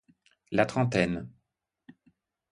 La trentaine.